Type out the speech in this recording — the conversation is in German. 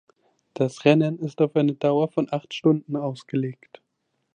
Das Rennen ist auf eine Dauer von acht Stunden ausgelegt.